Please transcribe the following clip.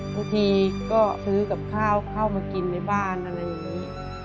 บางทีก็ซื้อกับข้าวเข้ามากินในบ้านอะไรอย่างนี้